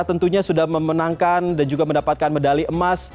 tentunya sudah memenangkan dan juga mendapatkan medali emas